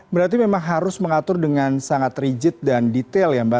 berarti memang harus mengatur dengan sangat rigid dan detail ya mbak